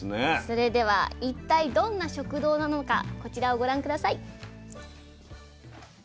それでは一体どんな食堂なのかこちらをご覧下さい。